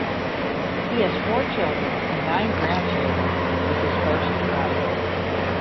He has four children and nine grandchildren with his first wife.